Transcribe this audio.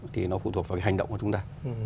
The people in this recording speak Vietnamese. thì nó phụ thuộc vào cái hành động của chúng ta